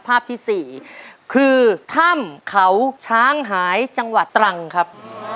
ภาพที่๔คือถ้ำเขาช้างหายจังหวัดตรังครับ